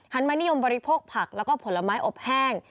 หันไม่นิยมบริโภคผักและผลไม้อบแห้ง